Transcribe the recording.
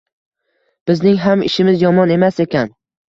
bizning ham ishimiz yomon emas ekan